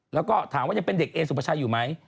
แล้วก็ถามว่ายังเป็นเด็กเอสุภาชัยอยู่ไหม